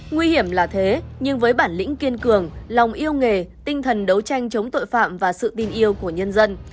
nguy hiểm là thế nhưng với bản lĩnh kiên cường lòng yêu nghề tinh thần đấu tranh chống tội phạm và sự tin yêu của nhân dân